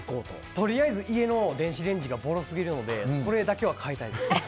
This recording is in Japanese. とりあえず家の電子レンジがぼろすぎるのでそれだけは買いたいです。